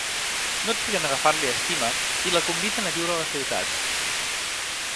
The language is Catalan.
No triguen a agafar-li estima, i la conviden a viure a la ciutat.